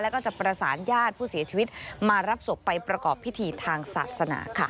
แล้วก็จะประสานญาติผู้เสียชีวิตมารับศพไปประกอบพิธีทางศาสนาค่ะ